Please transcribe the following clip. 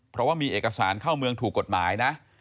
เพราะว่ามีเอกสารเข้าเมืองถูกกฎหมายนะ